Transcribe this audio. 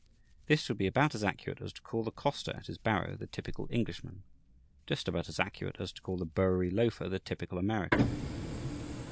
This would be about as accurate as to call the coster at his barrow the typical Englishman; just about as accurate as to call the Bowery loafer the typical American.